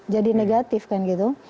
jadi negatif kan gitu